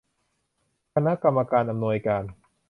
คณะกรรมการอำนวยการ